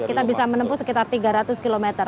kita bisa menempuh sekitar tiga ratus km